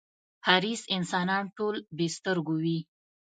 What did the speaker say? حریص انسانان ټول بې سترگو وي.